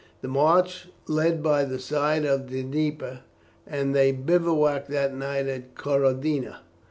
The march led by the side of the Dnieper, and they bivouacked that night at Korodnia.